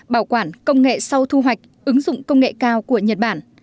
bảo quản công nghệ sau thu hoạch ứng dụng công nghệ cao của nhật bản